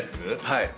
はい。